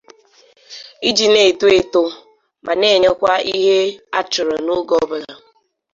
iji na-eto eto ma na-enyekwa ihe a chọrọ n'oge ọbụla.